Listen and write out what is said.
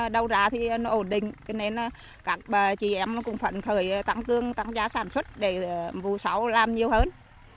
bà thì nó ổn định nên các chị em cũng phận khởi tăng cương tăng giá sản xuất để vụ sáu làm nhiều hơn